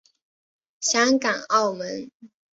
香港澳门